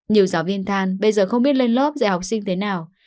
nhiều giáo viên than bây giờ không biết lên lớp dạy học sinh thế nào